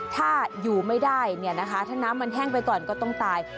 ถ้าอยู่ไม่ได้เนี่ยนะคะถ้าน้ำมันแห้งไปก่อนก็ต้องตาย